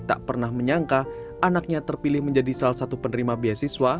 tak pernah menyangka anaknya terpilih menjadi salah satu penerima beasiswa